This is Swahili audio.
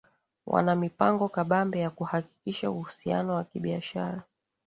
wana mipango kabambe ya kuhakikisha uhusiano wa kibiashara